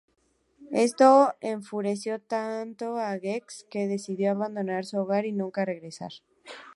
Esto enfureció tanto a Gex que decidió abandonar su hogar y nunca regresar.